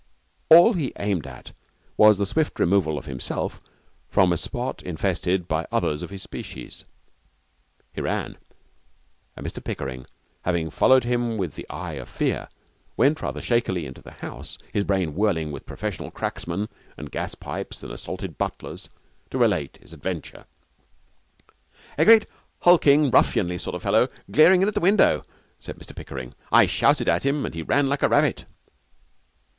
All he aimed at was the swift removal of himself from a spot infested by others of his species. He ran, and Mr Pickering, having followed him with the eye of fear, went rather shakily into the house, his brain whirling with professional cracksmen and gas pipes and assaulted butlers, to relate his adventure. 'A great, hulking, ruffianly sort of fellow glaring in at the window,' said Mr Pickering. 'I shouted at him and he ran like a rabbit.'